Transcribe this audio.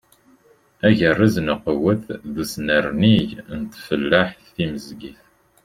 Agerrez n uqewwet d usnerni n tfellaḥt timezgit.